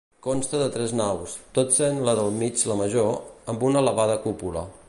Consta de tres naus, tot sent la del mig la major, amb una elevada cúpula.